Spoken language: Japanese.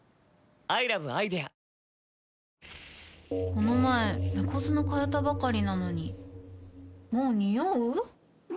この前猫砂替えたばかりなのにもうニオう？